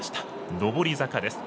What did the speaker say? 上り坂です。